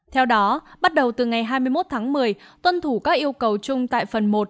theo đó bắt đầu từ ngày hai mươi một tháng một mươi tuân thủ các yêu cầu chung tại phần một